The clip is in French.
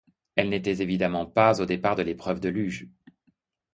Elle n'était évidemment pas au départ de l'épreuve de luge.